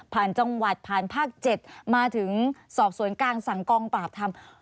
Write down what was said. ผ่านจังหวัดผ่านภาค๗มาถึงสอบส่วนกลางสังกองปราบธรรม